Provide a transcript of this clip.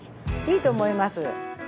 いいと思います。